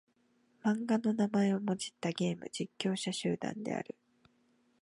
漫画の名前をもじったゲーム実況者集団である。